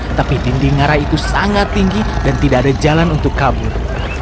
tetapi dinding ngarai itu sangat tinggi dan tidak ada jalan untuk kabur